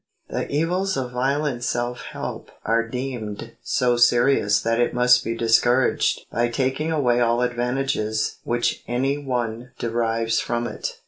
The evils of violent self help are deemed so serious that it must be discouraged by taking away all advantages which any one derives from it.